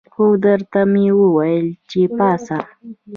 خو درته ومې ویل چې پاڅه.